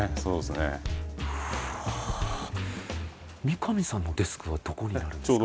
三上さんのデスクはどこになるんですか？